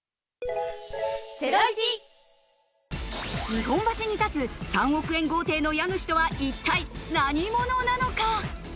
日本橋に建つ３億円豪邸の家主とは一体何者なのか？